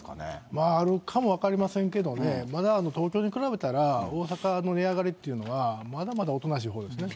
まああるかも分かりませんけどね、まだ東京に比べたら、大阪の値上がりというのは、まだまだおとなしいほうですね。